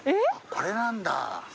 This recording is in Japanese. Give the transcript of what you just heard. これなんだ。